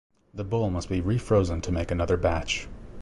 The bowl must be refrozen to make another batch.